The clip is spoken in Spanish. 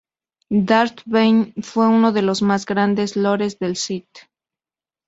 Darth Bane fue uno de los más grandes Lores del Sith.